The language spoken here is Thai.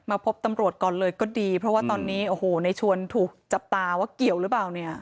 พบตำรวจก่อนเลยก็ดีเพราะว่าตอนนี้โอ้โหในชวนถูกจับตาว่าเกี่ยวหรือเปล่าเนี่ย